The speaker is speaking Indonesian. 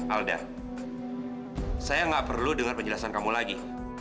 alda saya gak perlu dengar penjelasan kamu lagi